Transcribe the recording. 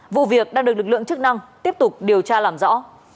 vụ việc đang được lực lượng chức năng tiếp tục điều tra làm rõ